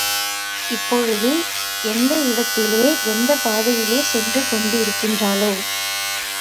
இப்பொழுது எந்த இடத்திலே, எந்தப் பாதையிலே சென்று கொண்டிருக்கிறாளோ?